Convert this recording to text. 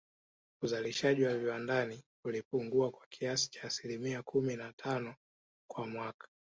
Uzalishaji viwandani ulipungua kwa kiasi cha asilimia kumi na tano kwa mwaka